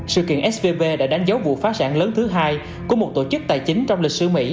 sự kiện svb đã đánh dấu vụ phá sản lớn thứ hai của một tổ chức tài chính trong lịch sử mỹ